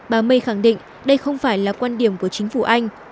bà may khẳng định đây không phải là quan điểm của chính phủ anh